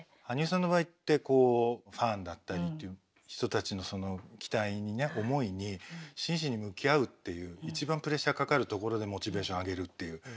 羽生さんの場合ってこうファンだったりっていう人たちの期待にね思いに真摯に向き合うっていう一番プレッシャーかかるところでモチベーション上げるっていう。